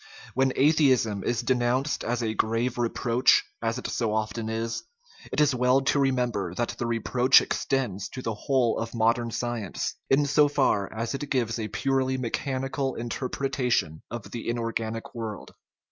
When atheism is denounced as a grave reproach, as it so often is, it is well to remem ber that the reproach extends to the whole of modern science, in so far as it gives a purely mechanical inter pretation of the inorganic world.